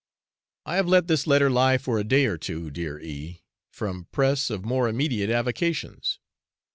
I have let this letter lie for a day or two, dear, E from press of more immediate avocations.